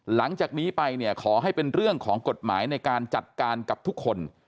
หลังจากนี้ไปเนี่ยขอให้เป็นเรื่องของกฎหมายในการจัดการกับทุกคน